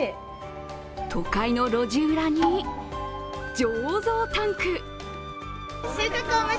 都会の路地裏に醸造タンク。